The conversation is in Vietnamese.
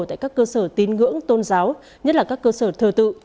tại các cơ sở tin ngưỡng tôn giáo nhất là các cơ sở thờ tự